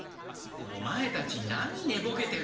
オマエたちなにねぼけてる？